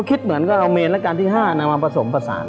คิดเหมือนกับไปเพิ่ม๕อันพรับผสมประสาน